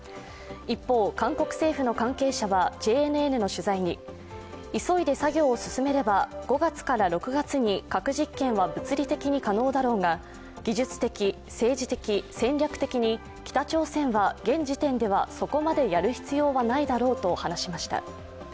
一方、韓国政府の関係者はＪＮＮの取材に急いで作業を進めれば５月から６月に核実験は物理的に可能だろうが、技術的・政治的・戦略的に、北朝鮮は現時点では、そこまでやる必要はないだろうと話しました。